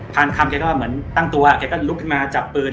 พาลคัมแกก็เหมือนตั้งตัวแกก็ลุกมาจับปืน